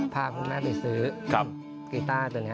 พาไปซื้อกีตาร์